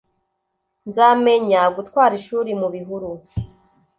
Nzamenya gutwara ishuri mubihuru